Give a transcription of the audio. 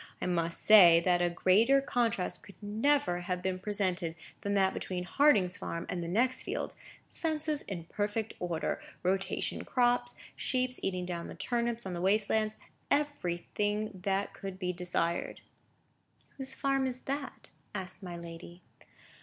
I must say that a greater contrast could never have been presented than that between Harding's farm and the next fields—fences in perfect order, rotation crops, sheep eating down the turnips on the waste lands—everything that could be desired." "Whose farm is that?" asked my lady.